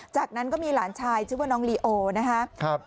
จากนั้นก็มีหลานชายชื่อว่าน้องลีโอนะครับ